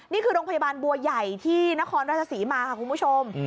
นี่คือโรงพยาบาลบัวใหญ่ที่นครราชศรีมาค่ะคุณผู้ชม